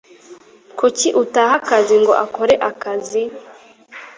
Kuki utaha akazi ngo akore akazi?